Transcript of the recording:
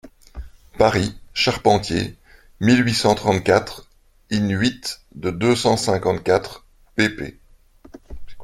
Paris, Charpentier, mille huit cent trente-quatre, in-huit de deux cent cinquante-quatre pp.